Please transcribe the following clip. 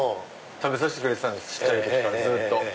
食べさせてくれてたんです小っちゃい時からずっと。